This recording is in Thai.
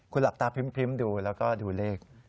คุณหลับตาพริ้มดูแล้วก็ดูเลข